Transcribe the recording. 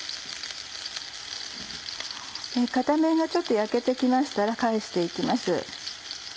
片面がちょっと焼けてきましたら返していきます。